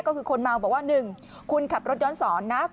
ก็คือคนเมาบอกว่า๑คุณขับรถย้อนสอนนะ